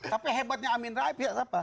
tapi hebatnya aminul azhar